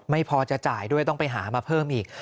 พอจะจ่ายด้วยต้องไปหามาเพิ่มอีก